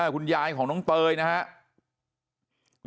คุณยายของน้องเตยนะครับ